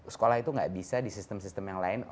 sekolah itu nggak bisa di sistem sistem yang lain